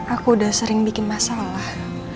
aku udah sering bikin masalah